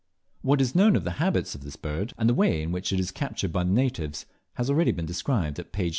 What is known of the habits of this bird, and the way in which it is captured by the natives, have already been described at page 362.